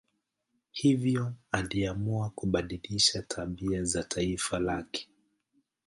Hivyo aliamua kubadilisha tabia za taifa lake.